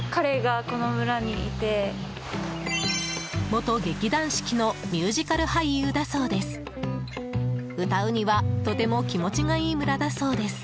元劇団四季のミュージカル俳優だそうです。